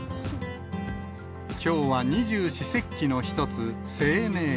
きょうは二十四節気の一つ、清明。